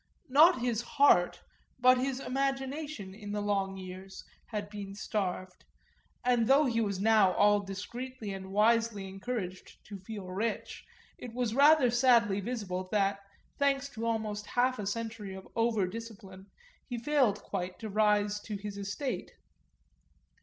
Not his heart, but his imagination, in the long years, had been starved; and though he was now all discreetly and wisely encouraged to feel rich, it was rather sadly visible that, thanks to almost half a century of over discipline, he failed quite to rise to his estate.